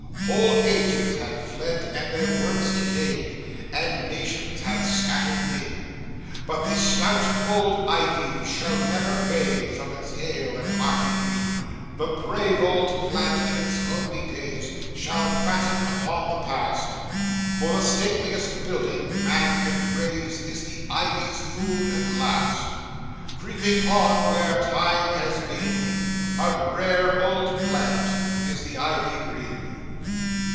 Whole ages have fled and their works decayed, And nations have scattered been; But the stout old Ivy shall never fade, From its hale and hearty green. The brave old plant in its lonely days, Shall fatten upon the past; For the stateliest building man can raise, Is the Ivy's food at last. Creeping on where time has been, A rare old plant is the Ivy green.